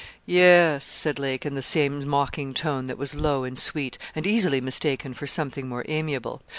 'Yes,' said Lake, in the same mocking tone, that was low and sweet, and easily mistaken for something more amiable.